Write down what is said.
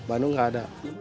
bandung enggak ada